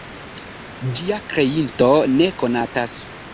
Ĝia kreinto ne konatas.